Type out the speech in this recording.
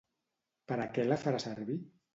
Per a què la farà servir?